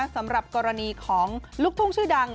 สำหรับกรณีของลูกทุ่งชื่อดัง